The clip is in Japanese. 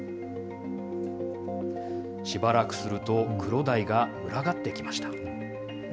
しばらくすると、クロダイが群がってきました。